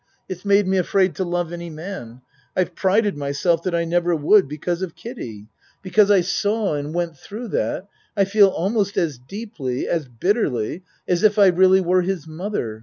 It's made me afraid to love any man. I've prided myself that I never would because of Kid die. Because I saw and went through that I feel almost as deeply as bitterly as if I really were his mother.